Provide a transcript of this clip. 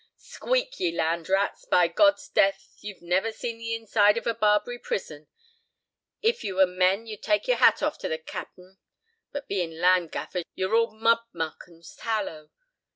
"Squeak, ye land rats. By God's death, you've never seen the inside of a Barbary prison. If you were men you'd take your hat off to the capt'n. But being land gaffers, you're all mud muck and tallow.